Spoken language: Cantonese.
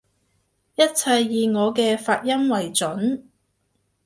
一切以我嘅發音爲準